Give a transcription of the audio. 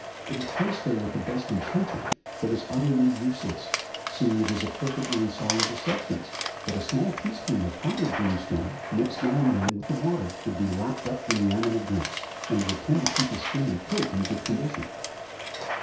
It is placed there with the best intention, but is utterly useless, seeing it is a perfectly insoluble substance, but a small teaspoonful of powdered brimstone mixed now and then with the water would be lapped up when the animal drinks, and would tend to keep his skin and coat in good condition.